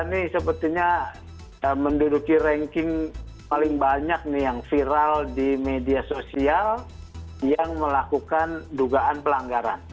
ini sepertinya menduduki ranking paling banyak nih yang viral di media sosial yang melakukan dugaan pelanggaran